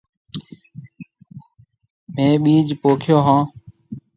ميه ٻِيج پوکيو هيَ۔